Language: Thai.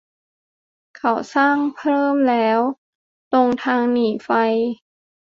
เขาสร้างเพิ่มแล้ว ตรงทางหนีไฟ